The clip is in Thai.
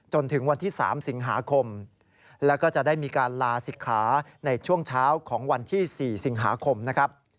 จนถึงวันที่๓สิงหาคมแล้วก็จะได้มีการลาศิกขาในช่วงเช้าของวันที่๔สิงหาคมนะครับ